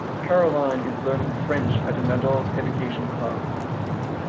Caroline is learning French at an adult education class